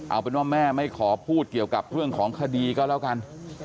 เอาเป็นว่าแม่ไม่ขอพูดเกี่ยวกับเรื่องของคดีก็แล้วกัน